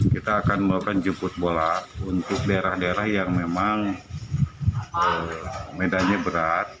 kita akan melakukan jemput bola untuk daerah daerah yang memang medannya berat